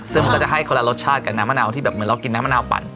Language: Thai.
ซึ่งมันก็จะให้คนละรสชาติกับน้ำมะนาวที่แบบเหมือนเรากินน้ำมะนาวปั่น